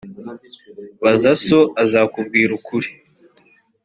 baza so azakubwira ukuri